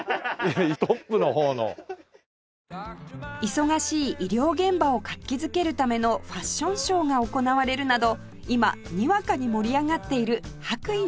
忙しい医療現場を活気づけるためのファッションショーが行われるなど今にわかに盛り上がっている白衣の世界